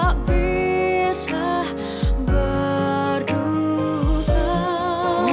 kau bisa berusaha